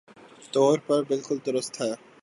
طور پہ بالکل درست تھا